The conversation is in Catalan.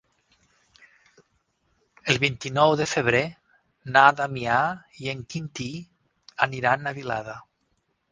El vint-i-nou de febrer na Damià i en Quintí aniran a Vilada.